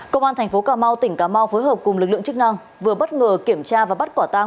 công an thành phố cà mau tỉnh cà mau phối hợp cùng lực lượng chức năng vừa bất ngờ kiểm tra và bắt quả tang